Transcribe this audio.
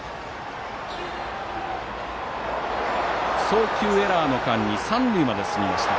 送球エラーの間に三塁まで進みました。